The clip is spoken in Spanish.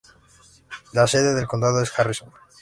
La sede del condado es Harrison.